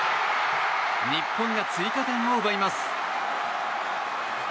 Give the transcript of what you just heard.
日本が追加点を奪います。